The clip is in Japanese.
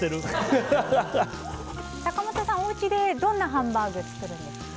坂本さん、おうちでどんなハンバーグを作るんですか。